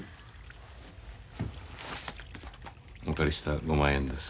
お借りした５万円です。